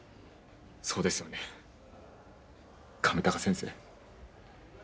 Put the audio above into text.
そうですよね亀高先生。